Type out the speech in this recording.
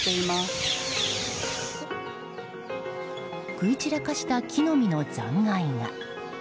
食い散らかした木の実の残骸が。